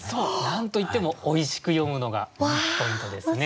何と言ってもおいしく詠むのがポイントですね。